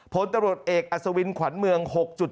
ผลตำรวจเอกอัศวินขวัญเมือง๖๗